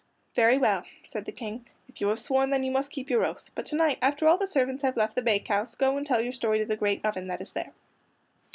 "Very well," said the King, "if you have sworn, then you must keep your oath; but to night, after all the servants have left the bakehouse go and tell your story to the great oven that is there."